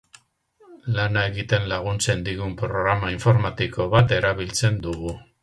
Lana egiten laguntzen digun programa informatiko bat erabiltzen dugu.